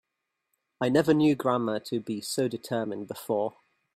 I never knew grandma to be so determined before.